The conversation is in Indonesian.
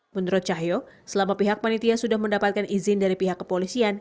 menurut cahyo selama pihak panitia sudah mendapatkan izin dari pihak kepolisian